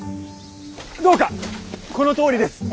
どうかこのとおりです。